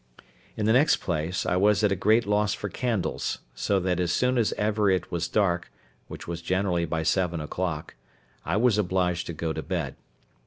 In the next place, I was at a great loss for candles; so that as soon as ever it was dark, which was generally by seven o'clock, I was obliged to go to bed.